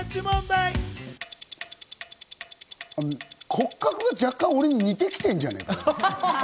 骨格が若干俺に似てきてんじゃねぇ？